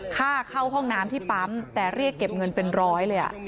ค่าเข้าห้องน้ำที่ปั๊มแต่เรียกเก็บเงินเป็นร้อยเลย